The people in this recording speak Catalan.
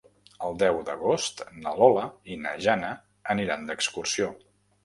El deu d'agost na Lola i na Jana aniran d'excursió.